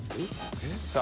さあ。